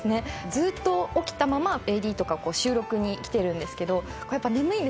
ずっと起きたままＡＤとか収録に来てるんですけどやっぱ眠いんですね。